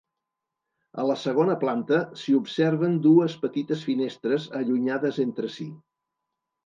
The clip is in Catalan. A la segona planta s'hi observen dues petites finestres allunyades entre si.